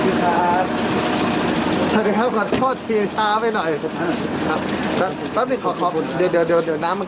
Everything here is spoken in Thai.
สวัสดีครับขอโทษทีเช้าไปหน่อย